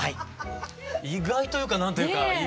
意外というか何というか。